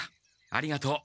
ありがとう。